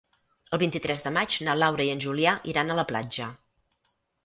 El vint-i-tres de maig na Laura i en Julià iran a la platja.